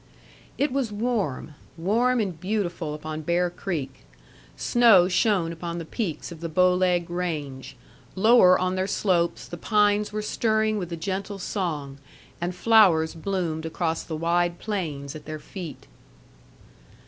It was warm warm and beautiful upon Bear Creek. Snow shone upon the peaks of the Bow Leg range; lower on their slopes the pines were stirring with a gentle song; and flowers bloomed across the wide plains at their feet.